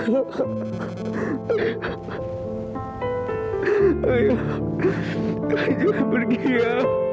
ayah ayah pergi ya